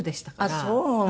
あっそう。